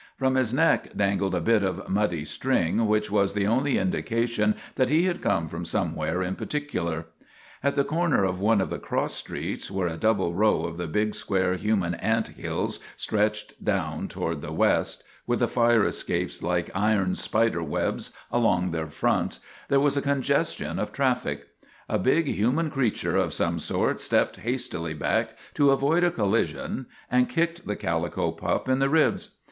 From his neck dangled a bit of muddy string, which was the only indication that he had come from anywhere in particular. At the corner of one of the cross streets, where a double row of the big, square human ant hills MAGINNIS 53 stretched down toward the west, with fire escapes like iron spider webs along their fronts, there was a congestion of traffic. A big human creature of some sort stepped hastily back to avoid a collision and kicked the calico pup in the ribs.